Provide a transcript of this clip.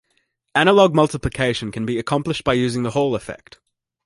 Analog multiplication can be accomplished by using the Hall Effect.